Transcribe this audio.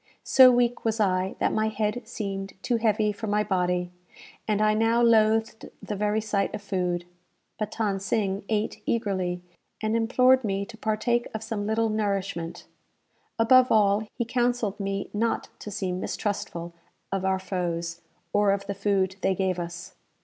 So weak was I, that my head seemed too heavy for my body, and I now loathed the very sight of food. But Than Sing ate eagerly, and implored me to partake of some little nourishment. Above all, he counselled me not to seem mistrustful of our foes, or of the food they gave us.